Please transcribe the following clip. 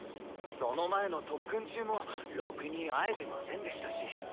その前の特訓中もろくに会えてませんでしたし。